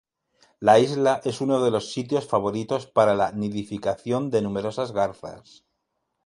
La isla es uno de los sitios favoritos para la nidificación de numerosas garzas.